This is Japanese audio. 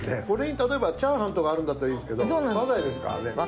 これに例えばチャーハンとかあるんだったらいいですけどサザエですからね。